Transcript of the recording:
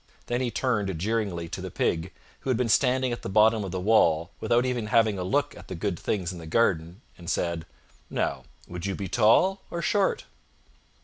Then he turned, jeeringly to the Pig, who had been standing at the bottom of the wall, without even having a look at the good things in the garden, and said, "Now, would you be tall or short?"